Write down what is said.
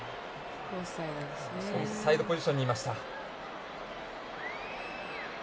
オフサイドポジションにいました。